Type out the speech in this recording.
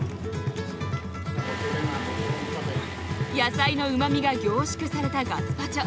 野菜のうまみが凝縮されたガスパチョ。